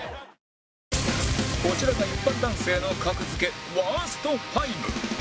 こちらが一般男性の格付けワースト５